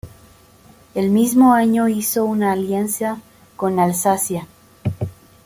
El mismo año hizo una alianza con Alsacia.